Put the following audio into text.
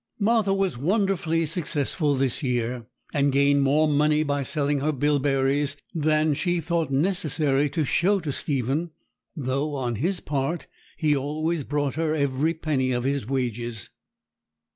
Martha was wonderfully successful this year, and gained more money by selling her bilberries than she thought necessary to show to Stephen; though, on his part, he always brought her every penny of his wages.